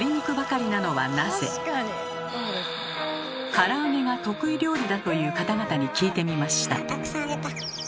から揚げが得意料理だという方々に聞いてみました。